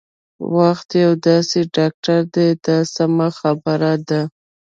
وخت یو داسې ډاکټر دی دا سمه خبره ده.